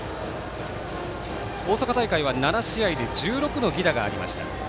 大阪大会は７試合で１６の犠打がありました。